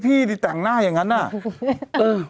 เป็นการกระตุ้นการไหลเวียนของเลือด